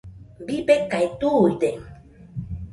Bibekae tuide.